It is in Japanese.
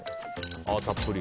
たっぷり。